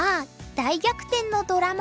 大逆転のドラマ裏」。